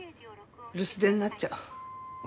留守電になっちゃう。